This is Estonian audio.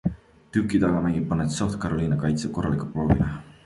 Duke'i tagamängijad panevad South Carolina kaitse korralikult proovile.